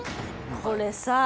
これさあ。